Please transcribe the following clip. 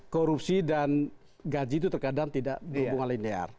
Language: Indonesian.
korupsi dan gaji itu terkadang tidak berhubungan linear